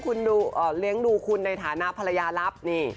๑ขอเลี้ยงดูคุณในฐานะภรรยาลับ